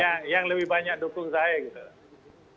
saya pilih yang lebih banyak dukung saya gitu